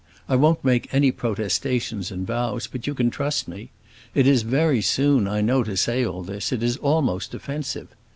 I won't make any protestations and vows, but you can trust me. It is very soon, I know, to say all this; it is almost offensive.